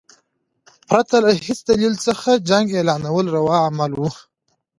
پرته له هیڅ دلیل څخه جنګ اعلانول روا عمل وو.